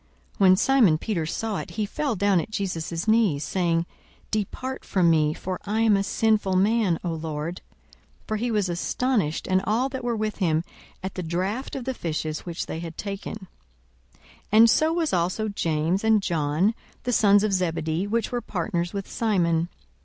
42:005:008 When Simon Peter saw it, he fell down at Jesus' knees, saying, Depart from me; for I am a sinful man, O Lord. 42:005:009 For he was astonished, and all that were with him, at the draught of the fishes which they had taken: 42:005:010 And so was also James, and John, the sons of Zebedee, which were partners with Simon.